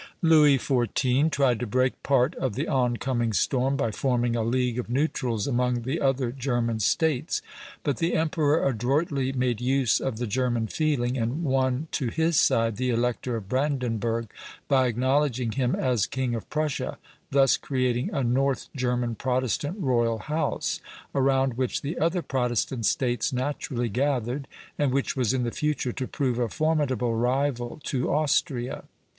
Louis XIV. tried to break part of the on coming storm by forming a league of neutrals among the other German States; but the emperor adroitly made use of the German feeling, and won to his side the Elector of Brandenburg by acknowledging him as king of Prussia, thus creating a North German Protestant royal house, around which the other Protestant States naturally gathered, and which was in the future to prove a formidable rival to Austria.